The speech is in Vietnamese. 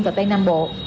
và tây nam bộ